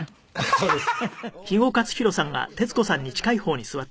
そうですか？